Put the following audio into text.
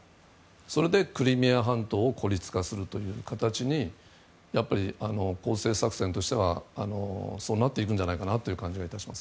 それでクリミア半島を孤立化するという形に攻勢作戦としてはそうなっていくのではないかなと。